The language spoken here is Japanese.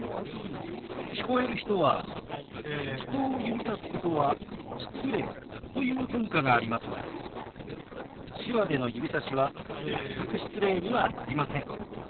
聞こえる人は「人を指さすことは失礼」という文化がありますが手話での指さしは全く失礼にはなりません。